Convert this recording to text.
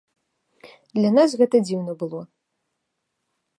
Для нас гэта дзіўна было.